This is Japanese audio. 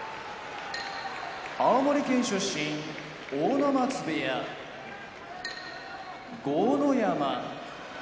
青森県出身阿武松部屋豪ノ山